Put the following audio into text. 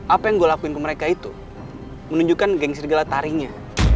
apa yang gue lakuin ke mereka itu menunjukkan geng segala tarinya